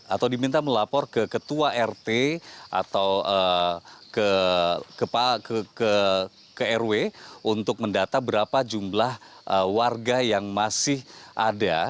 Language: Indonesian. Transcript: atau diminta melapor ke ketua rt atau ke rw untuk mendata berapa jumlah warga yang masih ada